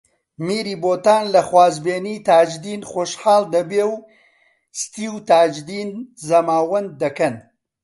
میری بۆتان لە خوازبێنیی تاجدین خۆشحاڵ دەبێ و ستی و تاجدین زەماوەند دەکەن